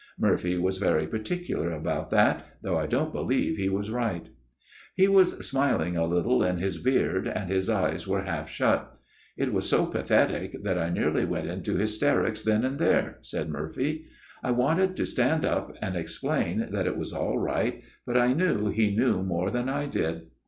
(Murphy was very particular about that, though I don't believe he was right.) * He was smiling a little in his beard, and his eyes were half shut. It was so pathetic that I nearly went into hysterics then and there,' said Murphy. * I wanted to stand up and ex plain that it was all right, but I knew he knew more than I did.